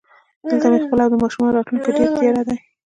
دلته مې خپل او د ماشومانو راتلونکی ډېر تیاره دی